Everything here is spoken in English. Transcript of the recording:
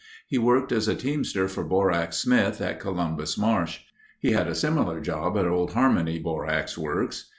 He worked as a teamster for Borax Smith at Columbus Marsh. He had a similar job at Old Harmony Borax Works.